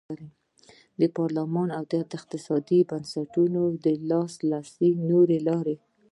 پارلمان او اقتصادي بنسټونو ته د لاسرسي نورې لارې.